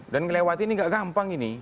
dan melewati ini tidak gampang ini